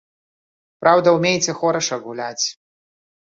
Праўда, умееце хораша гуляць.